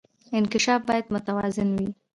انکشاف باید متوازن وي